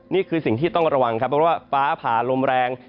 นี่คือสิ่งที่ต้องระวังครับเพราะว่าฟ้าผ่าลมแรง